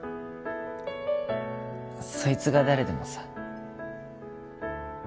そいつが誰でもさ